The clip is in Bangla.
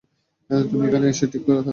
তুমি এখানে এসে ঠিক কাজ করেছ।